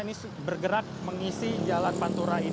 ini bergerak mengisi jalan pantura ini menuju ke arah cirebon